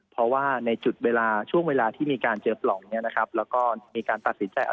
เพราะว่าในจุดเวลาช่วงเวลาที่มีการเจอปล่องเนี้ยนะครับแล้วก็มีการตัดสินใจอ่า